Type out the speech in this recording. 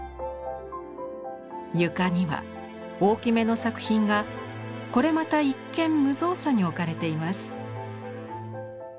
床には大きめの作品がこれまた一見無造作に置かれています。